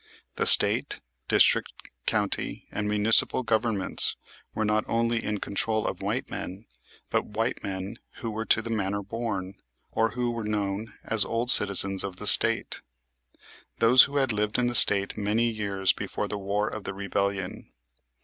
The State; district, county, and municipal governments were not only in control of white men, but white men who were to the manor born, or who were known as old citizens of the State those who had lived in the State many years before the War of the Rebellion.